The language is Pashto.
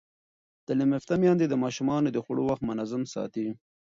تعلیم یافته میندې د ماشومانو د خوړو وخت منظم ساتي.